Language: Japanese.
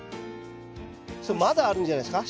それまだあるんじゃないですか？